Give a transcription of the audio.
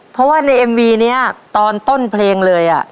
เพราะว่าในเอ็มวีนี้ตอนต้นเพลงเลย